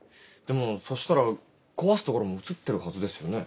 でもそしたら壊すところも写ってるはずですよね？